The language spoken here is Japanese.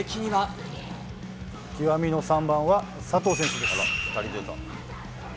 極みの３番は佐藤選手です。